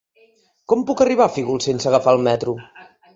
Com puc arribar a Fígols sense agafar el metro?